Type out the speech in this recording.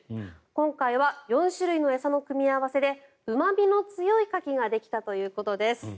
今回は４種類の餌の組み合わせでうま味の強いカキができたということです。